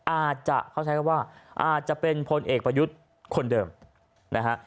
อาจจะเขาใช้คำว่าอาจจะเป็นพลเอกประยุทธ์คนเดิมนะฮะ